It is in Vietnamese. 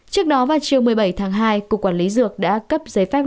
trước đó vào chiều một mươi bảy tháng hai cục quản lý dược đã cấp giấy phép